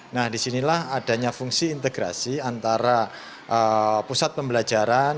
nah di sinilah adanya fungsi integrasi antara pusat pembelajaran